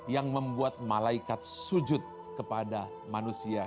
yang membuat malaikat sujud kepada manusia